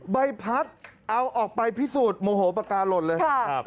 ใบพัดเอาออกไปพิสูจน์โมโหปากกาหล่นเลย